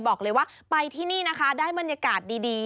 บอกเลยว่าไปที่นี่นะคะได้บรรยากาศดี